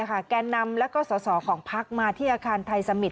แก่นำและก็สอสอของพักมาที่อาคารไทยสมิตร